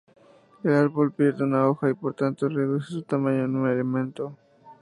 El árbol pierde una hoja y por tanto reduce su tamaño en un elemento.